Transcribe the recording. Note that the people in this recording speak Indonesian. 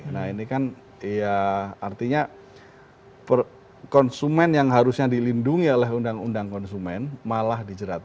nah ini kan ya artinya konsumen yang harusnya dilindungi oleh undang undang konsumen malah dijerat